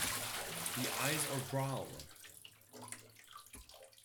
The eyes are brown!